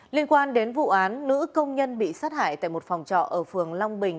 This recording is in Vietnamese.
liên quan đến vụ án nữ công nhân bị sát hại tại một phòng trọ ở phường long bình